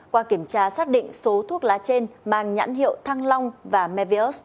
qua kiểm tra xác định số thuốc lá trên mang nhãn hiệu thăng long và mevius do việt nam sản xuất